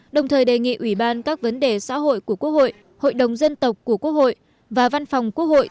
đồng thời đề nghị ủy ban các vấn đề xã hội của quốc hội hội đồng dân tộc của quốc hội và văn phòng quốc hội